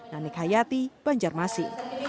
nanik hayati banjarmasi